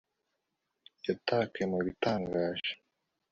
Yatakaye mubitangaje